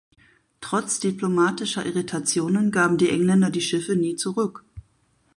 Trotz diplomatischer Irritationen gaben die Engländer die Schiffe nie zurück.